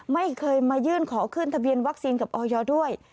ไม่เคยมายื่นขอขึ้นทะเบียนวัคซีนกับออยด้วย